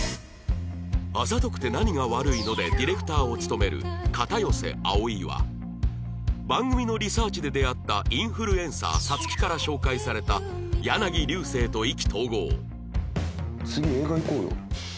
『あざとくて何が悪いの？』でディレクターを務める片寄葵は番組のリサーチで出会ったインフルエンサー皐月から紹介された柳流星と意気投合